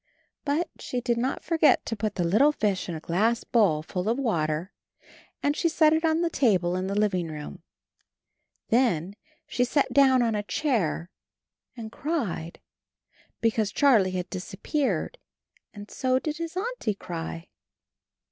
But she did not forget to put the little fish in a glass bowl full of water, and she set it on the table in the living room ; then she sat down on a chair and cried, be cause Charlie had disappeared, and so did his Auntie cry.